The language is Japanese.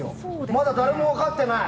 まだ誰も分かってない。